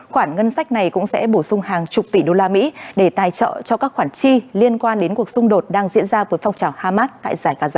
khoản ngân sách này cũng sẽ bổ sung hàng chục tỷ đô la mỹ để tài trợ cho các khoản chi liên quan đến cuộc xung đột đang diễn ra với phong trào hamas tại giải gaza